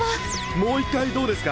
もう一回どうですか？